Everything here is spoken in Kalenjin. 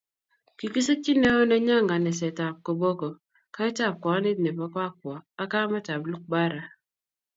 kikisikyi neo nenyoo nganaset ab koboko kaitab kwanit nebo Kakwa ak kamet ab lugbara